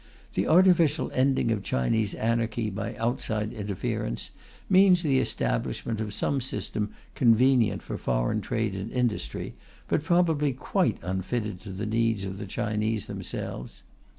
The artificial ending of Chinese anarchy by outside interference means the establishment of some system convenient for foreign trade and industry, but probably quite unfitted to the needs of the Chinese themselves.